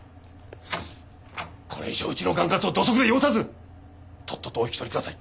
これ以上うちの管轄を土足で汚さずとっととお引き取りください。